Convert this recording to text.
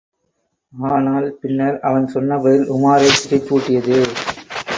ஆனால் பின்னர் அவன் சொன்ன பதில் உமாரைத் திகைப்பூட்டியது.